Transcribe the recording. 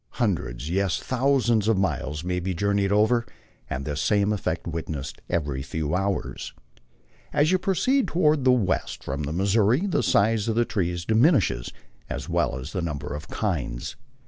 Hundreds, yes, thousands of miles may be journeyed over, and this same effect witnessed every few hours. As you proceed toward the west from the Missouri, the size of the trees di minishes as well as the number of kinds.